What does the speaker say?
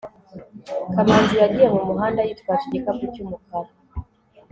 kamanzi yagiye mumuhanda yitwaje igikapu cyumukara